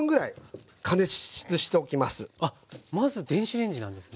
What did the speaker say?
あっまず電子レンジなんですね。